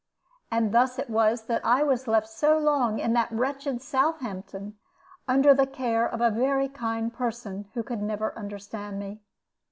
And thus it was that I was left so long in that wretched Southampton, under the care of a very kind person who never could understand me.